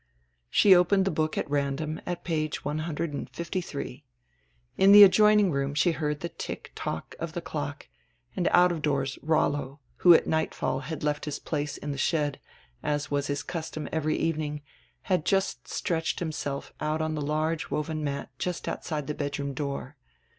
She opened the book at random at page 153. In the adjoining room she heard the tick tock of the clock, and out of doors Rollo, who at nightfall had left his place in die shed, as was his custom every evening, and had stretched himself out on die large woven mat just outside the bed room door.